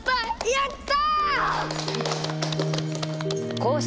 やった！